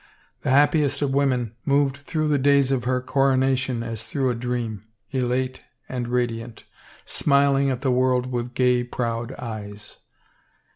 The happiest of women moved through the days of her coronation as through a dream, elate and radiant, smiling at the world with gay, proud eyes.